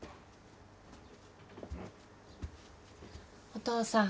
お父さん。